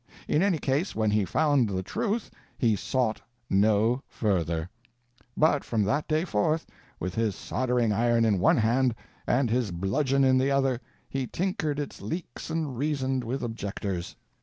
In any case, when he found the Truth _he sought no further; _but from that day forth, with his soldering iron in one hand and his bludgeon in the other he tinkered its leaks and reasoned with objectors.